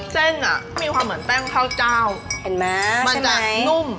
เส้นอ่ะมีความเหมือนแป้งข้าวเจ้าเห็นไหมมันจะนุ่ม